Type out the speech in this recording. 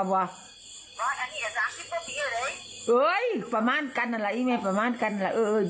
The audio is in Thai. เฮ้ยประมาณกันอ่ะล่ะอีเมย์ประมาณกันอ่ะ